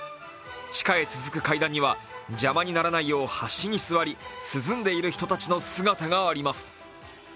地下へ続く階段には邪魔にならないよう端に座り涼んでいる人たちの姿があります。